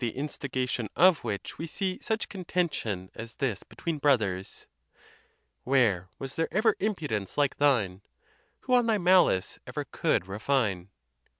instigation of which we see such contention as this be tween brothers : Where was there ever impudence like thine? Who on thy malice ever could refine